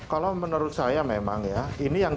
kalau menurut saya memang ya ini yang